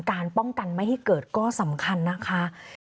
การป้องกันไม่ให้เกิดก็สำคัญนะคะ